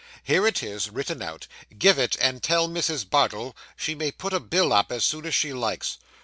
Here it is, written out. Give it, and tell Mrs. Bardell she may put a bill up, as soon as she likes.